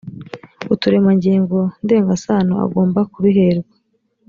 uturemangingo ndengasano agomba kubiherwa